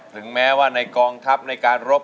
ถึงแม้ว่าในกองทัพในการรบ